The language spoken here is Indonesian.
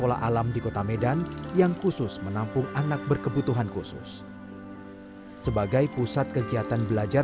pola alam di kota medan yang khusus menampung anak berkebutuhan khusus sebagai pusat kegiatan belajar